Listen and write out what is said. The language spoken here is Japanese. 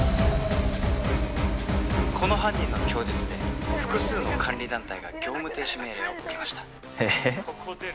この犯人の供述で複数の監理団体が業務停止命令を受けましたええ？